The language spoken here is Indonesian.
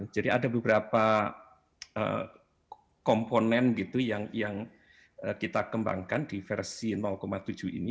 ada beberapa komponen gitu yang kita kembangkan di versi tujuh ini